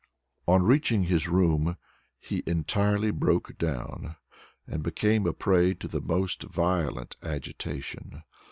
On reaching his room he entirely broke down, and became a prey to the most violent agitation.